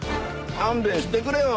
勘弁してくれよ。